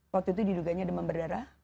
waktu itu diduganya demam berdarah